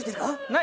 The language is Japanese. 何？